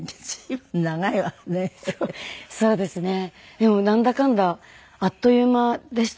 でもなんだかんだあっという間でしたね。